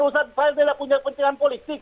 pusat saya tidak punya kepentingan politik